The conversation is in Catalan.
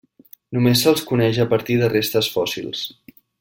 Només se'ls coneix a partir de restes fòssils.